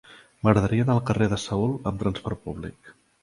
M'agradaria anar al carrer de Seül amb trasport públic.